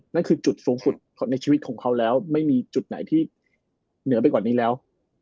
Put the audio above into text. นั่นคือจุดสูงสุดในชีวิตของเขาแล้วไม่มีจุดไหนที่เหนือไปกว่านี้แล้ว